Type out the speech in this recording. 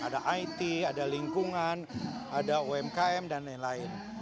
ada it ada lingkungan ada umkm dan lain lain